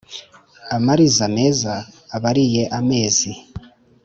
amariza meza abariye amezi